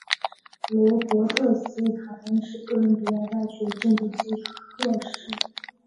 罗伯特斯坦恩是哥伦比亚大学建筑系硕士以及耶鲁大学建筑系的硕士。